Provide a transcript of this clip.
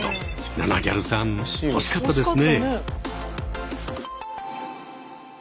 ナナぎゃるさん惜しかったですね。